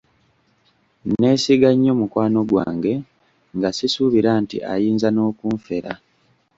Nneesiga nnyo mukwano gwange nga sisuubira nti ayinza n'okunfera.